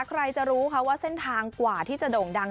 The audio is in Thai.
ใครจะรู้ค่ะว่าเส้นทางกว่าที่จะโด่งดัง